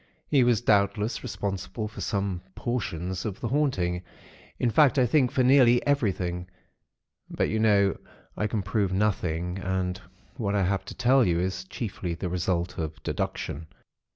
He was doubtless responsible for some portions of the 'haunting'; in fact I think for nearly everything; but, you know, I can prove nothing, and what I have to tell you is chiefly the result of deduction.